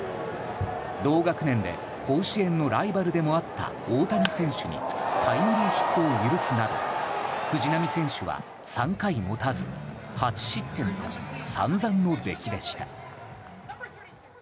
同学年で、甲子園のライバルでもあった大谷選手にタイムリーヒットを許すなど藤浪選手は３回もたず８失点と散々の出来でした。